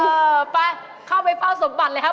เออปี้เข้าไปเป้าสมบัติเลยค่ะ